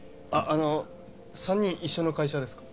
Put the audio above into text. あの３人一緒の会社ですか？